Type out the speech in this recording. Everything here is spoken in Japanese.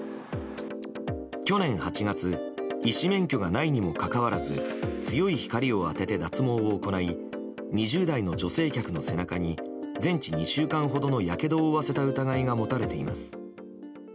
去年８月、医師免許がないにもかかわらず強い光を当てて脱毛を行い２０代の女性客の背中に全治２週間ほどのやけどを負わせた疑いが持たれています。